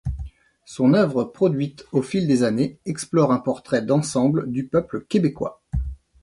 Son œuvre produite au fil des années explore un portrait d'ensemble du peuple québécois.